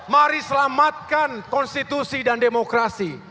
mari selamatkan konstitusi dan demokrasi